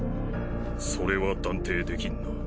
それは断定できんな。